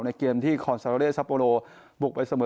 เกมที่คอนซาเรซัปโปโลบุกไปเสมอ